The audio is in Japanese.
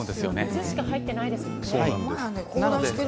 水しか入っていないですものね。